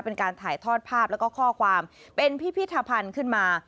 เป็นการถ่ายทอดภาพแล้วก็ข้อความเป็นพิพิธภัณฑ์ขึ้นมา